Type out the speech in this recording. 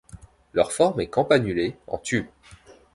Leurs forme est campanulée, en tube.